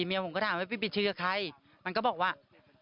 เมียผมก็ถามว่าพี่ปิดชื่อกับใครมันก็บอกว่า